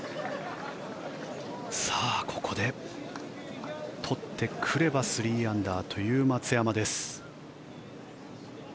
ここで取ってくれば３アンダーという松山です。